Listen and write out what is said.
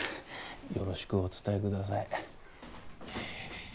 よろしくお伝えください